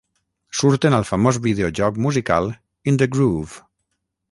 Surten al famós videojoc musical "In the Groove".